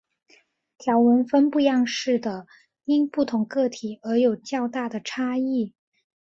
条纹分布样式的因不同个体而有较大的差异。